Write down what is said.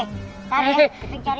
sari kita cari